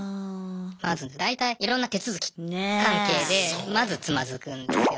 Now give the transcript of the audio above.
まず大体いろんな手続き関係でまずつまずくんですよね。